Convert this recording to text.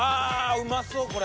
うまそうこれ。